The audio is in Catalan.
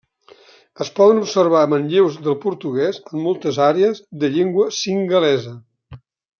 Es poden observar manlleus del portuguès en moltes àrees de llengua singalesa.